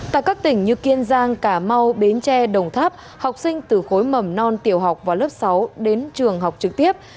tại các tỉnh như kiên giang cà mau bến tre đồng tháp học sinh từ khối mầm non tiểu học và lớp sáu đến trường học trực tiếp